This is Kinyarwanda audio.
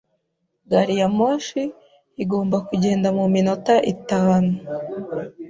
Gari ya moshi igomba kugenda mu minota itanu.